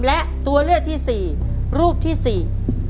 และตัวเลือกที่สี่รูปที่สี่